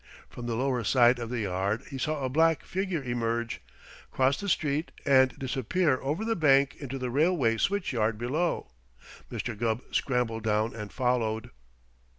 From the lower side of the yard he saw a black figure emerge, cross the street and disappear over the bank into the railway switch yard below. Mr. Gubb scrambled down and followed.